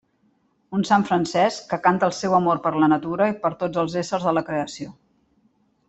Un sant Francesc que canta el seu amor per la natura i per tots els éssers de la creació.